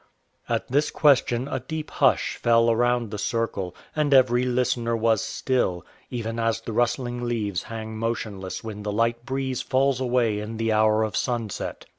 At this question a deep hush fell around the circle, and every listener was still, even as the rustling leaves hang motionless when the light breeze falls away in the hour of sunset.